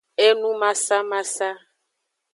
Enumasamasa.